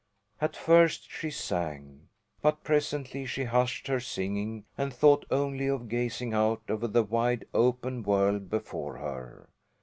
At first she sang. But presently she hushed her singing and thought only of gazing out over the wide, open world before her.